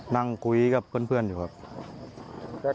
นั่งคุยกับเพื่อนอยู่ครับ